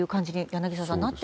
柳澤さん。